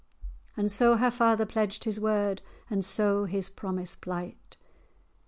And so her father pledged his word, And so his promise plight.